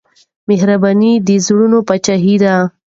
مهرباني د زړونو پاچاهي ده.